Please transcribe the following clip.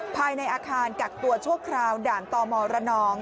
ภายในอาคารกักตัวชั่วคราวด่านตมระนอง